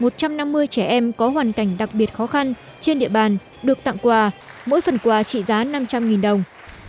một trăm năm mươi trẻ em có hoàn cảnh đặc biệt khó khăn trên địa bàn được tặng quà mỗi phần quà trị giá năm trăm linh đồng